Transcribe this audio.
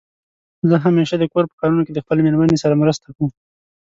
زه همېشه دکور په کارونو کې د خپلې مېرمنې سره مرسته کوم.